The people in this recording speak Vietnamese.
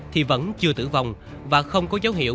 thì vẫn chưa tử vong và không có dấu hiệu